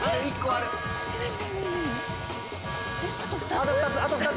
あと２つ。